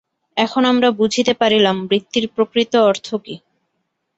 এখন আমরা বুঝিতে পারিলাম, বৃত্তির প্রকৃত অর্থ কি।